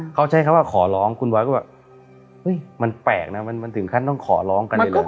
เขาใช้คำว่าขอร้องคุณบอยก็แบบมันแปลกนะมันถึงขั้นต้องขอร้องกันในโรง